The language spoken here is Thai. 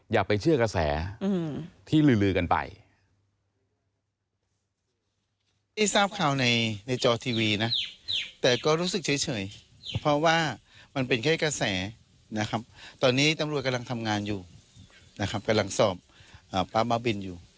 อย่าไปเชื่อกระแสที่ลือกันไป